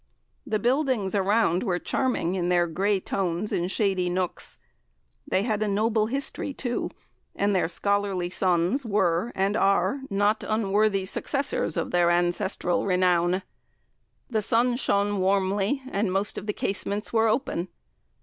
The buildings around were charming in their grey tones and shady nooks. They had a noble history, too, and their scholarly sons were (and are) not unworthy successors of their ancestral renown. The sun shone warmly, and most of the casements were open.